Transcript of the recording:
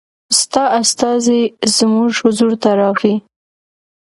ستا استازی زموږ حضور ته راغی.